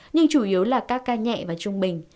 nhưng chủ yếu là các ca nhẹ và trung bình